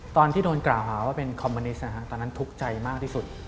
ตอนที่โดนกล่าวหาว่าเป็นคอมมิวนิสต์ตอนนั้นทุกข์ใจมากที่สุด